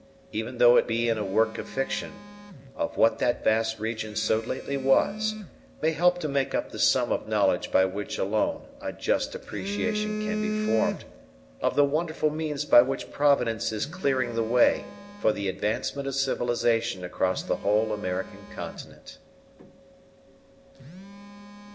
A passing glimpse, even though it be in a work of fiction, of what that vast region so lately was, may help to make up the sum of knowledge by which alone a just appreciation can be formed of the wonderful means by which Providence is clearing the way for the advancement of civilization across the whole American continent.